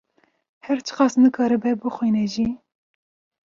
her çiqas nikaribe bixwîne jî